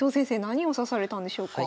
何を指されたんでしょうか？